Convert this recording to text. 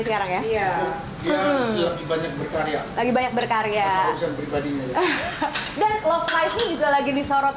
sekarang ya iya dia lagi banyak berkarya lagi banyak berkarya dan love life nya lagi disorot